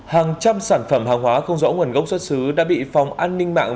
hàng trăm sản phẩm hàng hóa không rõ nguồn gốc xuất xứ đã bị phòng an ninh mạng